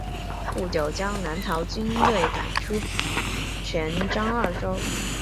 不久将南唐军队赶出泉漳二州。